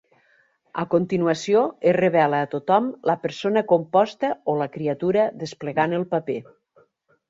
A continuació, es revela a tothom la persona composta o la criatura desplegant el paper.